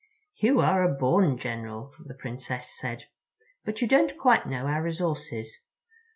"You are a born general," the Princess said; "but you don't quite know our resources.